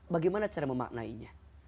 bagaimana cara memaknainya